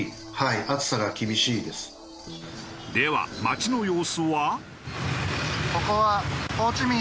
では街の様子は？